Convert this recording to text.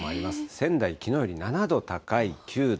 仙台、きのうより７度高い９度。